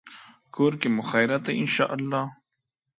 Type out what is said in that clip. کور کې مو خیریت دی، ان شاءالله